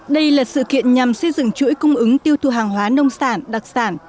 đây là sự kiện nhằm xây dựng chuỗi cung ứng tiêu thụ hàng hóa nông sản đặc sản